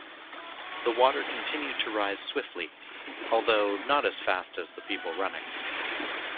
The water continued to rise swiftly, although not as fast as the people running.